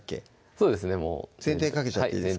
そうですねもう全体かけちゃっていいですか？